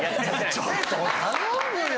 ちょっと頼むよ